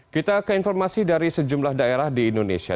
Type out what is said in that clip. kita ke informasi dari sejumlah daerah di indonesia